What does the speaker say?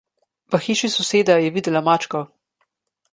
V hiši soseda je videla mačko.